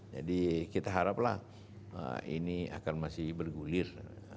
jadi kita harap lah ini akan masih bergulir